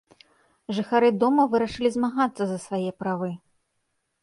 Жыхары дома вырашылі змагацца за свае правы.